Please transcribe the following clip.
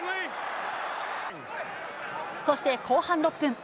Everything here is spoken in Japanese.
そして、後半６分。